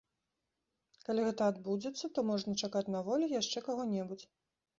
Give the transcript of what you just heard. Калі гэта адбудзецца, то можна чакаць на волі яшчэ каго-небудзь.